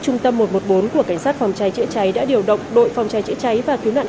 trung tâm một trăm một mươi bốn của cảnh sát phòng cháy chữa cháy đã điều động đội phòng cháy chữa cháy và cứu nạn